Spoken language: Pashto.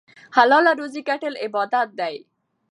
حلاله روزي ګټل عبادت دی.